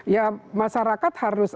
ya masyarakat harus